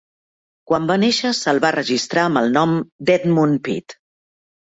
Quan va néixer se"l va registrar amb el nom d"Edmund Peat.